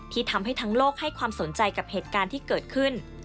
ที่ทำให้ทั้งโลกให้ความสนใจกับเหตุการณ์ที่เกิดขึ้น